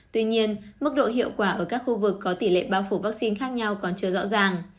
tuy nhiên mức độ hiệu quả ở các khu vực có tỷ lệ bao phủ vaccine khác nhau còn chưa rõ ràng